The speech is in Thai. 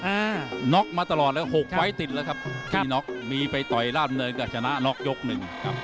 ้น็อกมาตลอดเลยหกไฟล์ติดแล้วครับพี่น็อกมีไปต่อยราบเนินก็ชนะน็อกยกหนึ่งครับ